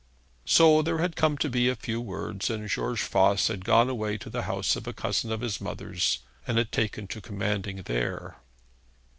So there had come to be a few words, and George Voss had gone away to the house of a cousin of his mother's, and had taken to commanding there.